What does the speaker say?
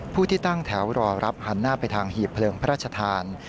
ผู้ที่ตั้งแถวรอรับหันหน้าไปทางหีบเพลิงพระราชทาน